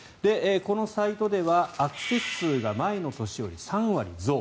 このサイトではアクセス数が前の年より３割増。